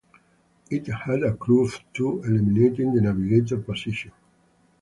It had a crew of two, eliminating the navigator position.